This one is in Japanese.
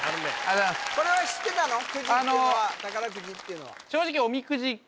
これは知ってたの？